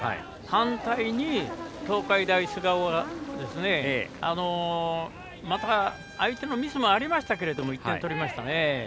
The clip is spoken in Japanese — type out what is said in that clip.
反対に東海大菅生は相手のミスもありましたが１点取りましたね。